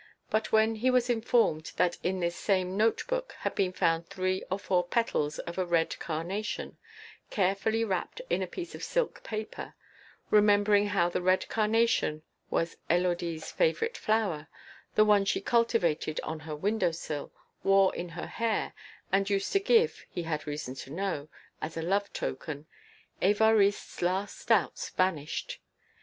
But when he was informed that in this same note book had been found three or four petals of a red carnation carefully wrapped in a piece of silk paper, remembering how the red carnation was Élodie's favourite flower, the one she cultivated on her window sill, wore in her hair and used to give (he had reason to know) as a love token, Évariste's last doubts vanished.